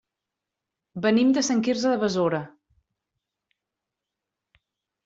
Venim de Sant Quirze de Besora.